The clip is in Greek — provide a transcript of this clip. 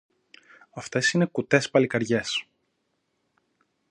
Αυτές είναι κουτές παλικαριές.